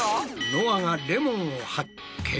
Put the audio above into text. のあがレモンを発見。